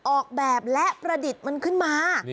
ออกแบบและประดิษฐ์มันขึ้นมา